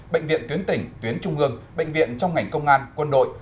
bệnh viện tuyến tỉnh tuyến trung ương bệnh viện trong ngành công an quân đội